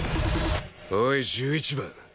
おい１１番。